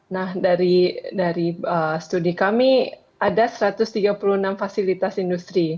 nah dari studi kami ada satu ratus tiga puluh enam fasilitas industri